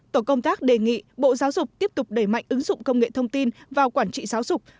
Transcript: tổ công tác đề nghị bộ giáo dục tiếp tục đẩy mạnh ứng dụng công nghệ thông tin vào quản trị giáo dục